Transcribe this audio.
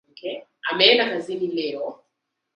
Ameenda kazini leo.